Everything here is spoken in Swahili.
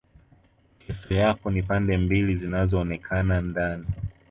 Kesho yako ni pande mbili zinazoonekana ndani